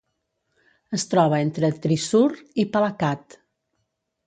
Es troba entre Thrissur i Palakkad.